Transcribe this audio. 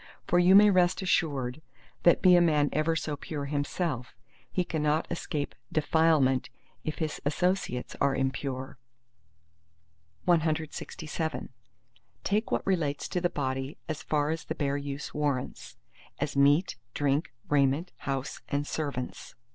For you may rest assured that be a man ever so pure himself, he cannot escape defilement if his associates are impure. CLXVIII Take what relates to the body as far as the bare use warrants—as meat, drink, raiment, house and servants.